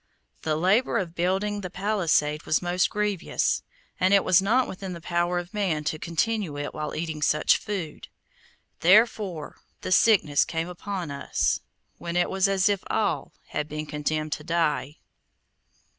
The labor of building the palisade was most grievous, and it was not within the power of man to continue it while eating such food; therefore the sickness came upon us, when it was as if all had been condemned to die.